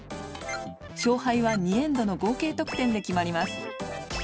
勝敗は２エンドの合計得点で決まります。